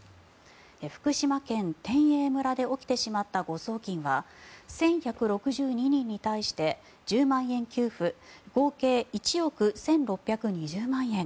福島県天栄村で起きてしまった誤送金は１１６２人に対して１０万円給付合計１億１６２０万円